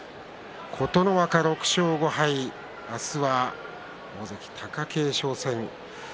琴ノ若６勝５敗明日は大関貴景勝戦です。